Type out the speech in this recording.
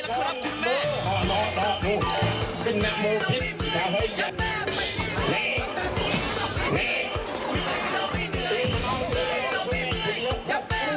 อย่าแม่ไปเลยอย่าแม่ไปเลยอย่าแม่ไปเลย